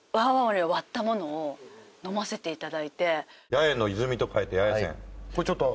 八重の泉と書いて八重泉。